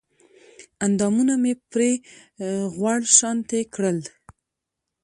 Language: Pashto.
اندامونه مې پرې غوړ شانتې کړل